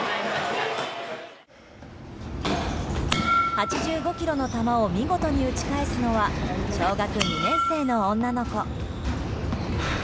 ８５キロの球を見事に打ち返すのは小学２年生の女の子。